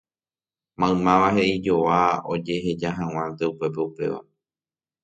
Maymáva he'ijoa ojehejahag̃uántema upépe upéva.